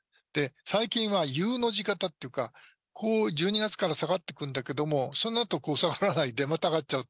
最近はＵの字型っていうか、こう、１２月から下がってくんだけども、そのあとこう、下がらないでまた上がっちゃうと。